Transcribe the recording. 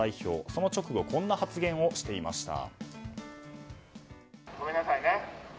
その直後こんな発言をしていました。